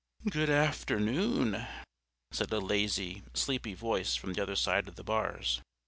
"Good afternoon," said a lazy, sleepy voice from the other side of the bars.